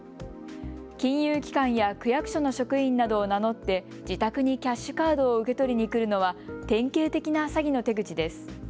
金融機関や区役所の職員などを名乗って、自宅にキャッシュカードを受け取りに来るのは典型的な詐欺の手口です。